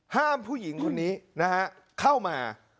ผู้หญิงคนนี้นะฮะเข้ามา